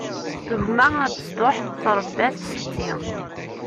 Gma abesṭuḥ tṛebba-t setti.